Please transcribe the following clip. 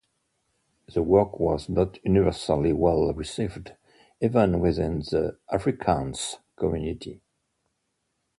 The work was not universally well received even within the Afrikaans community.